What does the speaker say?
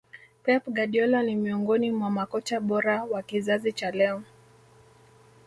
pep guardiola ni miongoni mwa makocha bora wa kizazi cha leo